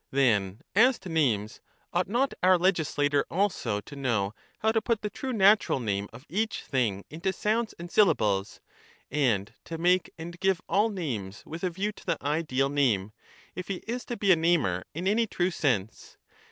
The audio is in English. Then, as to names : ought not our legislator also to know how to put the true natural name of each thing into sounds and syllables, and to make and give all names with a view to the ideal name, if he is to be a namer in any true sense?